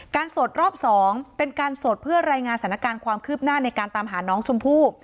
โสดรอบ๒เป็นการสดเพื่อรายงานสถานการณ์ความคืบหน้าในการตามหาน้องชมพู่